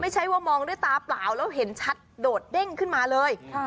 ไม่ใช่ว่ามองด้วยตาเปล่าแล้วเห็นชัดโดดเด้งขึ้นมาเลย